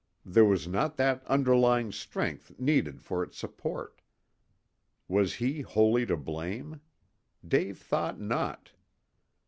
There was not that underlying strength needed for its support. Was he wholly to blame? Dave thought not.